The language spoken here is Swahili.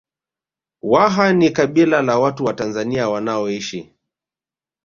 Waha ni kabila la watu wa Tanzania wanaoishi